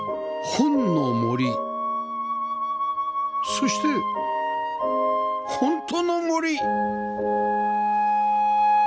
そして本当の森！